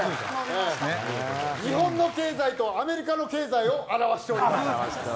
日本の経済とアメリカの経済を表しております。